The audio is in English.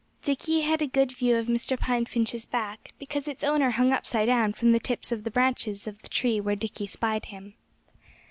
Dickie had a good view of Mr. Pine Finch's back, because its owner hung upside down from the tips of the branches of the tree where Dickie spied him.